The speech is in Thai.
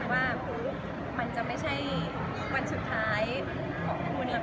แอฟอยากจะบอกอะไรกับผู้หญิงน้องเมื่อมา